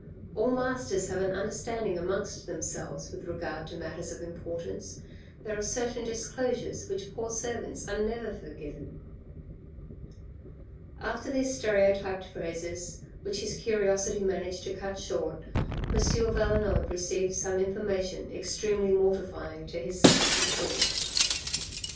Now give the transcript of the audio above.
"All masters have an understanding amongst themselves with regard to matters of importance. There are certain disclosures which poor servants are never forgiven." After these stereotyped phrases, which his curiosity managed to cut short, Monsieur Valenod received some in formation extremely mortifying to his self conceit.